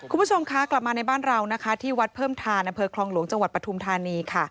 คุณผู้ชมคะกลับมาในบ้านเราที่วัดเพิ่มทาณเพิร์ตคลองหลวงจังหวัดปทุมธานี